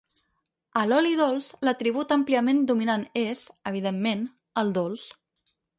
A l'oli dolç, l'atribut àmpliament dominant és, evidentment, el dolç.